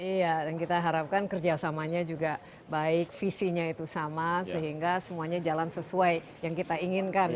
iya dan kita harapkan kerjasamanya juga baik visinya itu sama sehingga semuanya jalan sesuai yang kita inginkan